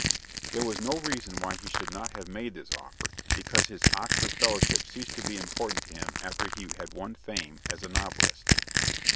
There was no reason why he should not have made this offer, because his Oxford fellowship ceased to be important to him after he had won fame as a novelist.